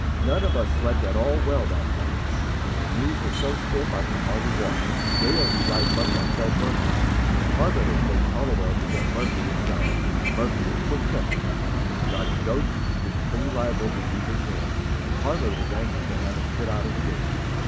None of us slept at all well that night, and my knees were so stiff I could hardly walk. Yale relied much on Fred Murphy. Harvard had coached Hallowell to get Murphy excited. Murphy was quick tempered. If you got his goat, he was pretty liable to use his hands, and Harvard was anxious to have him put out of the game.